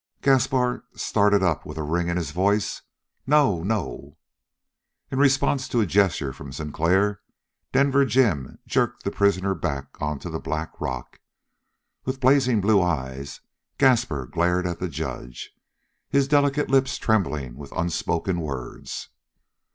Gaspar started up with a ring in his voice. "No, no!" In response to a gesture from Sinclair, Denver Jim jerked the prisoner back onto the black rock. With blazing blue eyes, Gaspar glared at the judge, his delicate lips trembling with unspoken words.